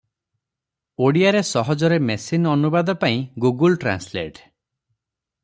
ଓଡ଼ିଆରେ ସହଜରେ ମେସିନ-ଅନୁବାଦ ପାଇଁ ଗୁଗୁଲ ଟ୍ରାନ୍ସଲେଟ ।